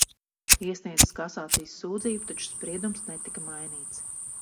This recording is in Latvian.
Iesniedzis kasācijas sūdzību, taču spriedums netika mainīts.